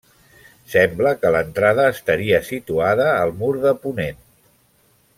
Sembla que l'entrada estaria situada al mur de ponent.